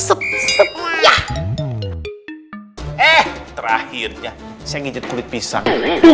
eh terakhirnya saya nginjet kulit pisang